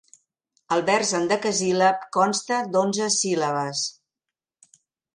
El vers hendecasíl·lab consta d'onze síl·labes.